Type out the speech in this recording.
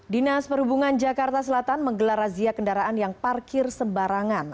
dinas perhubungan jakarta selatan menggelar razia kendaraan yang parkir sembarangan